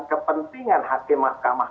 kepentingan hakim mahkamah